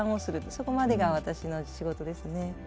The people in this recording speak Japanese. そこまでが私の仕事ですね。